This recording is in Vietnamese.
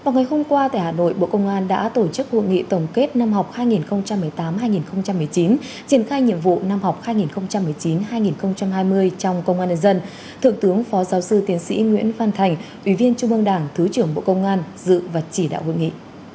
vào ngày hôm qua tại hà nội bộ công an đã tổ chức hội nghị tổng kết năm học hai nghìn một mươi tám hai nghìn một mươi chín triển khai nhiệm vụ năm học hai nghìn một mươi chín hai nghìn hai mươi trong công an nhân dân thượng tướng phó giáo sư tiến sĩ nguyễn phan thành ủy viên trung ương đảng thứ trưởng bộ công an dự và chỉ đạo hội nghị